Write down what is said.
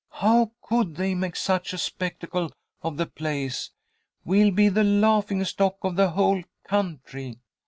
"How could they make such a spectacle of the place! We'll be the laughing stock of the whole country."